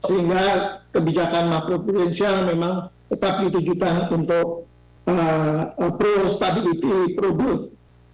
sehingga kebijakan makrokuensial memang tetap ditujukan untuk pro stability pro growth